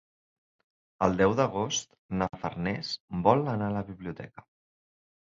El deu d'agost na Farners vol anar a la biblioteca.